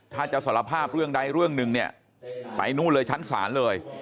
ถ้าจะสารภาพเรื่องใดเรื่องหนึ่งเนี่ยไปนู่นเลยชั้นศาลเลย